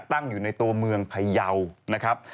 ตั้งอยู่ในตัวเมืองพยาวนะครับ